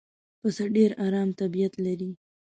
پسه ډېر آرام طبیعت لري.